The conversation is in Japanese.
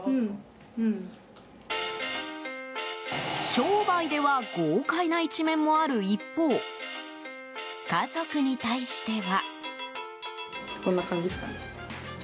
商売では豪快な一面もある一方家族に対しては。